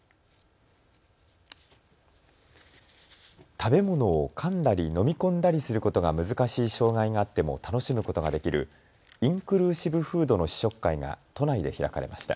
食べ物をかんだり飲み込んだりすることが難しい障害があっても楽しむことができるインクルーシブフードの試食会が都内で開かれました。